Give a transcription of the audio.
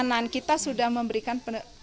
penanganan kita sudah memberikan